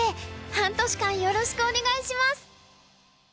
半年間よろしくお願いします！